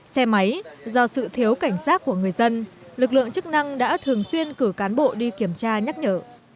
xe máy do sự thiếu cảnh giác của người dân lực lượng chức năng đã thường xuyên cử cán bộ đi kiểm tra nhắc nhở